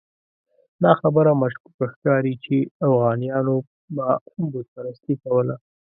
دا خبره مشکوکه ښکاري چې اوغانیانو به بت پرستي کوله.